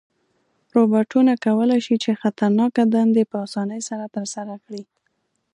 روبوټونه کولی شي چې خطرناکه دندې په آسانۍ سره ترسره کړي.